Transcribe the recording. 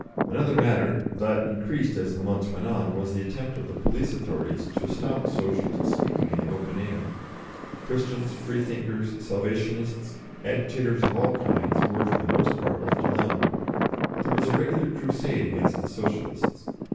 Another matter, that increased as the months went on, was the attempt of the police authorities to stop Socialist speaking in the open air. Christians, Freethinkers, Salvationists, agitators of all kinds were, for the most part, left alone, but there was a regular crusade against the Socialists.